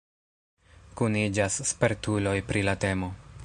Kuniĝas spertuloj pri la temo.